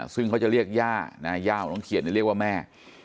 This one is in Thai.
ซึ่งเขาจะเรียกย่าย่าของน้องเขียนเรียกว่าแม่